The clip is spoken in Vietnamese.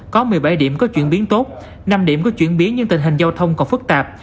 có một mươi bảy điểm có chuyển biến tốt năm điểm có chuyển biến nhưng tình hình giao thông còn phức tạp